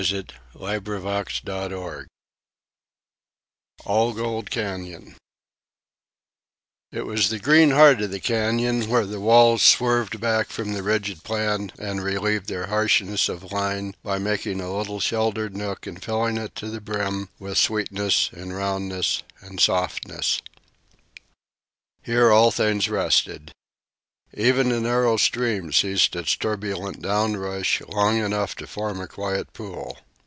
ALL GOLD CANYON It was the green heart of the canyon, where the walls swerved back from the rigid plan and relieved their harshness of line by making a little sheltered nook and filling it to the brim with sweetness and roundness and softness. Here all things rested. Even the narrow stream ceased its turbulent down rush long enough to form a quiet pool.